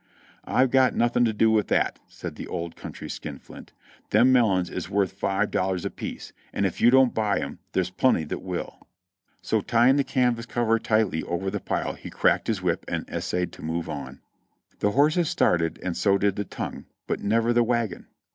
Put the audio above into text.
"I've got nothing to do with that," said this country skinflint. "Them melons is worth five dollars apiece, and if you don't buy 'em, there's plenty that will." So, tying the canvas cover tightly over the pile he cracked his whip and essayed to move on. The horses started and so did the tongue, but never the wagon.